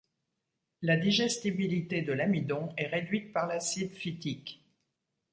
La digestibilité de l'amidon est réduite par l'acide phytique.